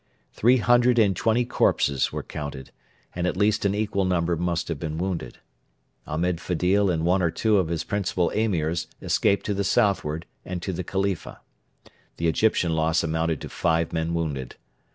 Three hundred and twenty corpses were counted, and at least an equal number must have been wounded. Ahmed Fedil and one or two of his principal Emirs escaped to the southward and to the Khalifa. The Egyptian loss amounted to five men wounded.